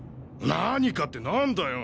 何かって何だよ？